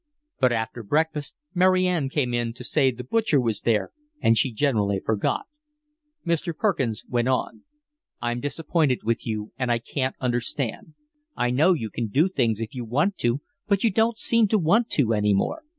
But after breakfast Mary Ann came in to say the butcher was there, and she generally forgot. Mr. Perkins went on. "I'm disappointed with you. And I can't understand. I know you can do things if you want to, but you don't seem to want to any more.